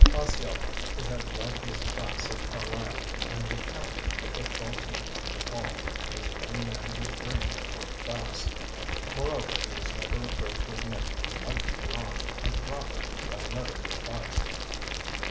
Osceola, who had led his class at Carlisle, and would captain the football team in the fall, was a young man whose brain worked fast. Moreover, he was never afraid to admit he might be wrong and to profit by another's advice.